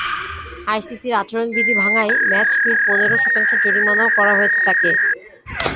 আইসিসির আচরণবিধি ভাঙায় ম্যাচ ফির পনেরো শতাংশ জরিমানাও করা হয়েছে তাঁকে।